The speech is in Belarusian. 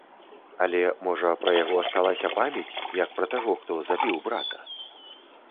Але, можа, пра яго асталася памяць, як пра таго, хто забіў брата?